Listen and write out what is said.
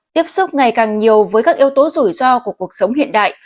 tiếp xúc ngày càng nhiều với các yếu tố rủi ro của cuộc sống hiện đại